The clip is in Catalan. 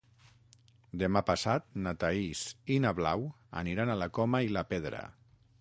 Demà passat na Thaís i na Blau aniran a la Coma i la Pedra.